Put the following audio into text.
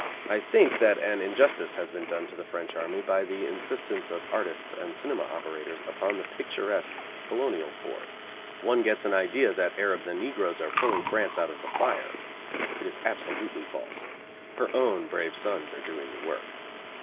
I think that an injustice has been done to the French army by the insistence of artists and cinema operators upon the picturesque Colonial corps. One gets an idea that Arabs and negroes are pulling France out of the fire. It is absolutely false. Her own brave sons are doing the work.